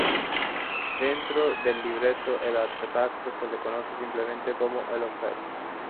Dentro del libreto, al artefacto se le conoce simplemente como "El Objeto".